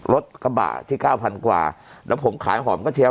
รถกระบะที่เก้าพันกว่าแล้วผมขายหอมกระเทียม